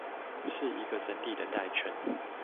是一個整體的代稱